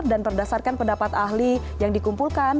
dan berdasarkan pendapat ahli yang dikumpulkan